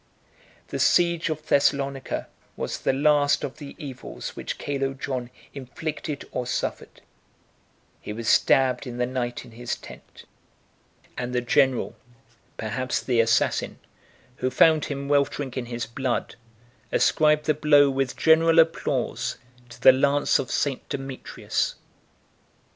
The siege of Thessalonica was the last of the evils which Calo John inflicted or suffered: he was stabbed in the night in his tent; and the general, perhaps the assassin, who found him weltering in his blood, ascribed the blow, with general applause, to the lance of St. Demetrius.